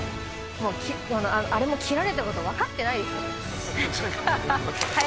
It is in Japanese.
あれも切られたこと分かってないですよ。